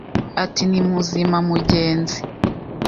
Ati Ni muzima mugenzi